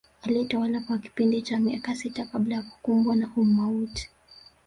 Aliyetawala kwa kipindi cha miaka sita kabla ya kukumbwa na umauti